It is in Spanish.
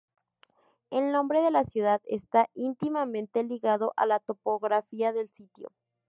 El nombre de la ciudad está íntimamente ligado a la topografía del sitio.